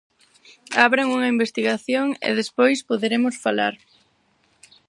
Abran unha investigación e despois poderemos falar.